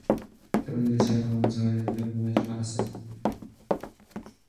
결혼이 그 사업을 방해한다면 차라리 연애도 결혼도 하지 말어야 한다.